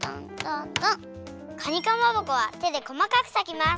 かにかまぼこはてでこまかくさきます。